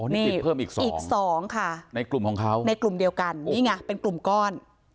นี่ติดเพิ่มอีก๒อีก๒ค่ะในกลุ่มของเขาในกลุ่มเดียวกันนี่ไงเป็นกลุ่มก้อน